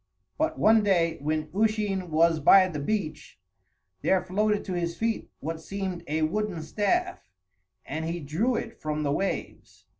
But one day, when Usheen was by the beach, there floated to his feet what seemed a wooden staff, and he drew it from the waves.